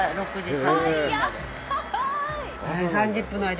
３０分の間。